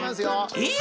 えっ？